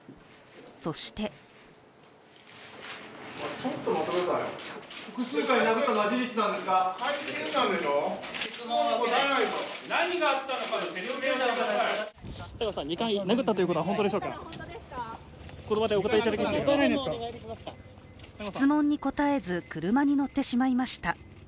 そして質問に答えず、車に乗ってしまいました。